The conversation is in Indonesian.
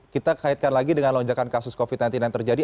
kita kaitkan lagi dengan lonjakan kasus covid sembilan belas yang terjadi